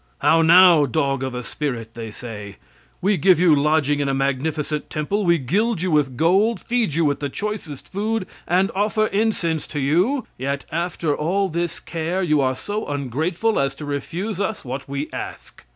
'How now, dog of a spirit,' they say, 'we give you lodging in a magnificent temple, we gild you with gold, feed you with the choicest food, and offer incense to you; yet, after all this care, you are so ungrateful as to refuse us what we ask.'